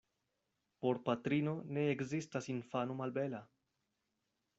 Por patrino ne ekzistas infano malbela.